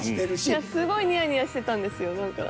いやすごいニヤニヤしてたんですよ何か。